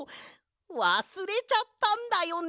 わすれちゃったんだよね。